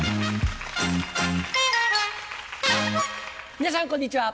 皆さんこんにちは。